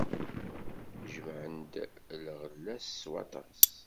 Jemɛen-d lɣella s waṭas.